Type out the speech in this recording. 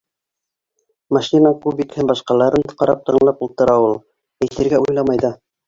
Машина, кубик һәм башҡаларын ҡарап тыңлап ултыра ул, әйтергә уйламай ҙа.